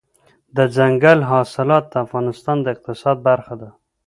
دځنګل حاصلات د افغانستان د اقتصاد برخه ده.